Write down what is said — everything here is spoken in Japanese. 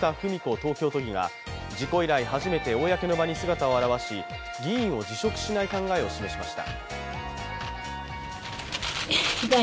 東京都議が事故以来初めて公の場に姿を現し議員を辞職しない考えを示しました。